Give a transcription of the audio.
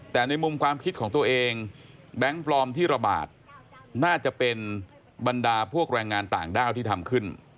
แต่ในมุมความคิดของตัวเองแบงค์ปลอมที่ระบาดน่าจะเป็นบรรดาพวกแรงงานต่างด้าวที่ทำขึ้น